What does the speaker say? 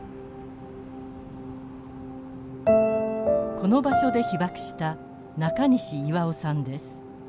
この場所で被爆した中西巖さんです。